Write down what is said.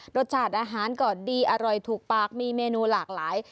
รสชาติอาหารก็ดีอร่อยถูกปากมีเมนูหลากหลาย